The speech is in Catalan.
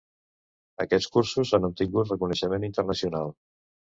Aquests cursos han obtingut reconeixement internacional.